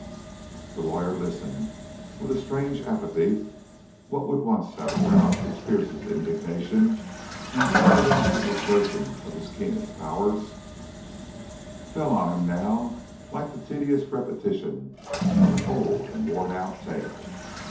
The lawyer listened with a strange apathy. What would once have aroused his fiercest indignation and fired him to an exertion of his keenest powers, fell on him now like the tedious repetition of an old and worn out tale.